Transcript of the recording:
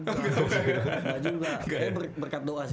gak juga tapi berkat doa sih